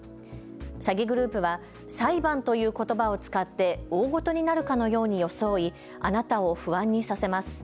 詐欺グループは裁判ということばを使って大ごとになるかのように装いあなたを不安にさせます。